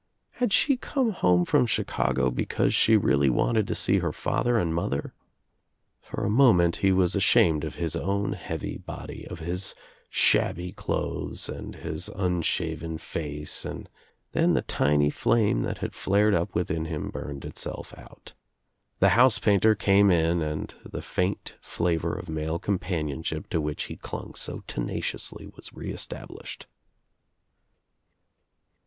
Had she come home from 244 THE TRIUMPH OF THE EGG Chicago because she really wanted to see her father and mother? For a moment he was ashamed of his own heavy body, of his shabby clothes and his un shaven face and then the tiny flame that had flared up within him burned Itself out. The house painter came in and the faint flavor of male companionship to which he clung so tenaciously was reestablished.